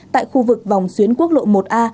tại khu vực vòng xuyến quốc lộ một a